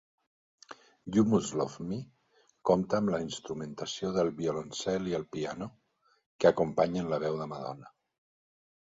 "You Must Love Me" compta amb la instrumentació del violoncel i el piano, que acompanyen la veu de Madonna.